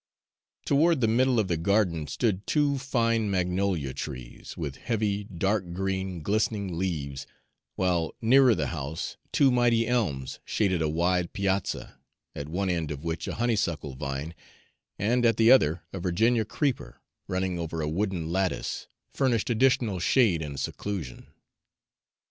Toward the middle of the garden stood two fine magnolia trees, with heavy, dark green, glistening leaves, while nearer the house two mighty elms shaded a wide piazza, at one end of which a honeysuckle vine, and at the other a Virginia creeper, running over a wooden lattice, furnished additional shade and seclusion.